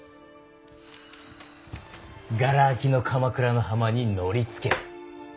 がら空きの鎌倉の浜に乗りつける。